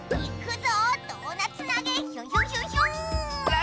いくぞ！